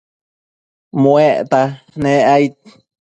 muecta nec aid